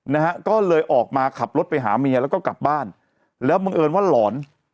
นะฮะก็เลยออกมาขับรถไปหาเมียแล้วก็กลับบ้านแล้วบังเอิญว่าหลอน